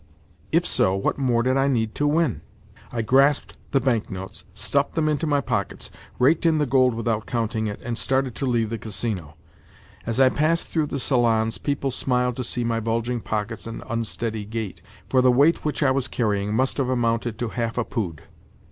If so, what more did I need to win? I grasped the banknotes, stuffed them into my pockets, raked in the gold without counting it, and started to leave the Casino. As I passed through the salons people smiled to see my bulging pockets and unsteady gait, for the weight which I was carrying must have amounted to half a pood!